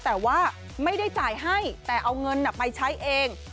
แต่ว่าไม่ได้จ่ายให้แต่เอาเงินไปใช้เอง